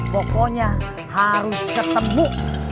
pokoknya harus ketemu